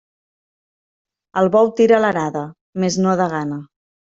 El bou tira l'arada, mes no de gana.